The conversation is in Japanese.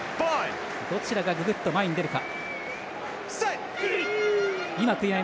どちらが、ぐぐっと前に出るか。